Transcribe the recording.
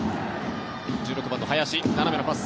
１６番の林、斜めのパス。